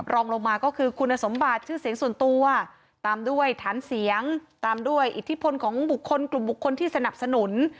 รองลงมาก็คือคุณสมบัติชื่อเสียงส่วนตัวตามด้วยฐานเสียงตามด้วยอิทธิพลของบุคคลกลุ่มบุคคลที่สนับสนุน